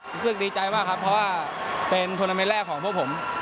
รู้สึกดีใจมากครับเพราะว่าเป็นทวนาเมนต์แรกของพวกผม